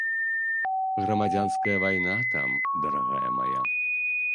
Грамадзянская вайна там, дарагая мая!